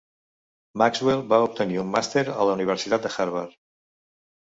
Maxwell va obtenir un màster a la Universitat de Harvard.